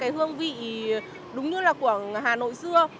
hương vị đúng như là của hà nội xưa